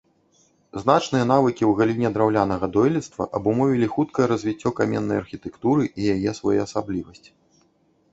Значныя навыкі ў галіне драўлянага дойлідства абумовілі хуткае развіццё каменнай архітэктуры і яе своеасаблівасць.